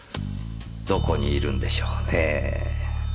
どこにいるんでしょうねぇ。